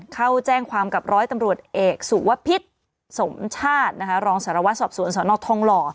เข้าแจ้งความกับร้อยตำรวจเอกสุวพิษสมชาตินะคะรองสารวัตรสอบสวนสนทองหล่อ